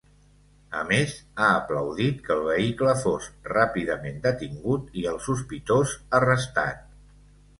A més, ha aplaudit que el vehicle fos “ràpidament detingut” i el sospitós arrestat.